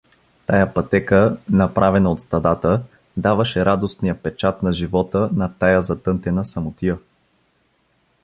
Тая пътека, направена от стадата, даваше радостния печат на живота на тая затънтена самотия.